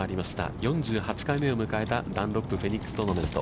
４８回目を迎えたダンロップフェニックストーナメント。